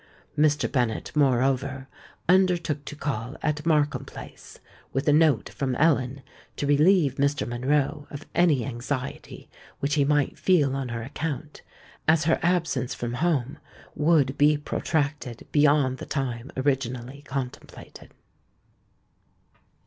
Mr. Bennet moreover undertook to call at Markham Place, with a note from Ellen to relieve Mr. Monroe of any anxiety which he might feel on her account, as her absence from home would be protracted beyond the time originally contemplated.